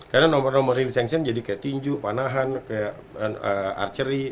karena nomor nomor yang di sanction jadi kayak tinju panahan kayak archery